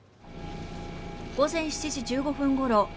午前７時１５分ごろ